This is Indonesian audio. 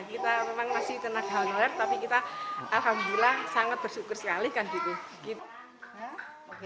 kita memang masih tenaga honorer tapi kita alhamdulillah sangat bersyukur sekali kan gitu